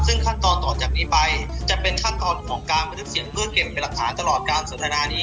ซึ่งขั้นตอนต่อจากนี้ไปจะเป็นขั้นตอนของการบันทึกเสียงเพื่อเก็บเป็นหลักฐานตลอดการสนทนานี้